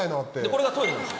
これがトイレです。